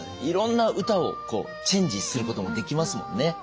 いろんな歌をチェンジすることもできますもんね。